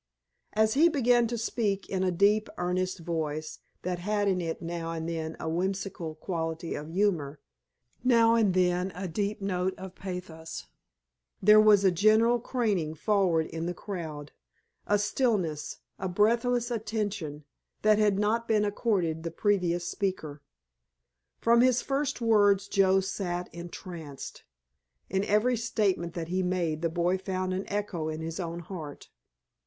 As he began to speak, in a deep, earnest voice, that had in it now and then a whimsical quality of humor, now and then a deep note of pathos, there was a general craning forward in the crowd, a stillness, a breathless attention, that had not been accorded the previous speaker. From his first words Joe sat entranced. In every statement that he made the boy found an echo in his own heart.